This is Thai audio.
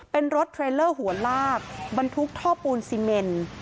เป็นรถเทรลเลอร์หัวลากบรรทุกท่อปูนซีเมน